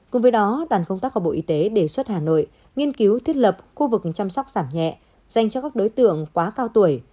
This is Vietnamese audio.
cùng với đó đoàn công tác của bộ y tế đề xuất hà nội nghiên cứu thiết lập khu vực chăm sóc giảm nhẹ dành cho các đối tượng quá cao tuổi